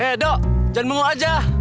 eh dok jangan bingung aja